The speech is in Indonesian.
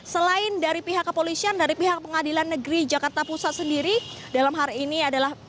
selain dari pihak kepolisian dari pihak pengadilan negeri jakarta pusat sendiri dalam hari ini adalah